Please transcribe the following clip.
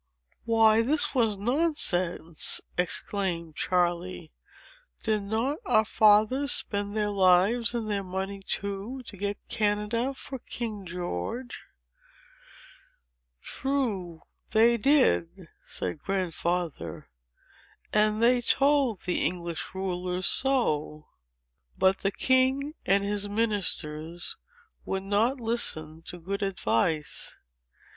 "Why, this was nonsense," exclaimed Charley; "did not our fathers spend their lives and their money too, to get Canada for King George?" "True, they did," said Grandfather; "and they told the English rulers so. But the king and his ministers would not listen to good advice.